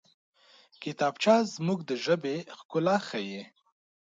کتابچه زموږ د ژبې ښکلا ښيي